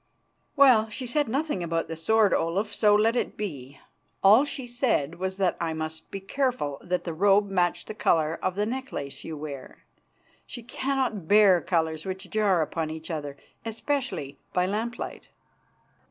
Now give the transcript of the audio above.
"Well, she said nothing about the sword, Olaf, so let it be. All she said was that I must be careful that the robe matched the colour of the necklace you wear. She cannot bear colours which jar upon each other, especially by lamp light."